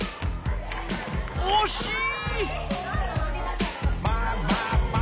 おしい！